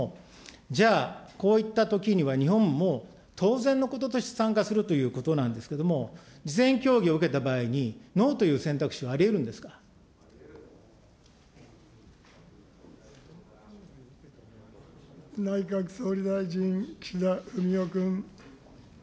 じゃあ、こういったときには日本も当然のこととして参加するということなんですけれども、事前協議を受けた場合に、ノーという選択肢はあり内閣総理大臣、岸田文雄君。